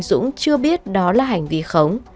đỗ anh dũng chưa biết đó là hành vi khống